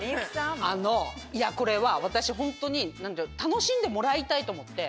あのこれは私ホントに楽しんでもらいたいと思って。